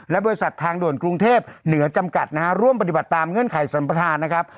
และบริษัททางด่วนกรุงเทพเหนือจำกัดนะฮะร่วมปฏิบัติตามเงื่อนไขสัมประธานนะครับ